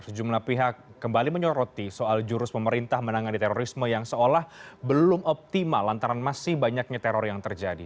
sejumlah pihak kembali menyoroti soal jurus pemerintah menangani terorisme yang seolah belum optimal lantaran masih banyaknya teror yang terjadi